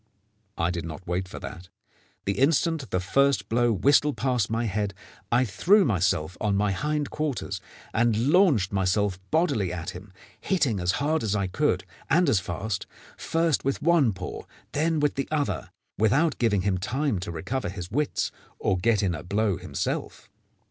I did not wait for that. The instant the first blow whistled past my head I threw myself on my hind quarters and launched myself bodily at him, hitting as hard as I could and as fast, first with one paw and then with the other, without giving him time to recover his wits or get in a blow himself.